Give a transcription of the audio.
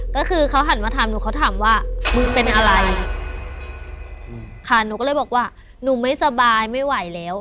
ก็คือเขาหันมาถามหนูเขาถามว่ามึงเป็นอะไรค่ะหนูก็เลยบอกว่าหนูไม่สบายไม่ไหวแล้ว